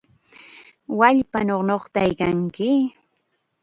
¡Wallpanaw nuqtaykanki!